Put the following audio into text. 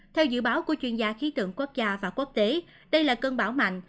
theo dự báo của chuyên gia khí tượng quốc gia và quốc tế đây là cơn bão mạnh